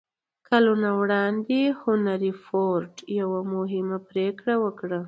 کلونه وړاندې هنري فورډ يوه مهمه پرېکړه وکړه.